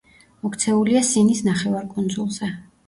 მოქცეულია სინის ნახევარკუნძულზე.